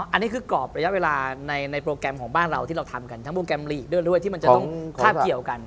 อันนี้คือกรอบระยะเวลาในโปรแกรมของบ้านเราที่เราทำกันทั้งโปรแกรมลีกด้วยที่มันจะต้องคาบเกี่ยวกัน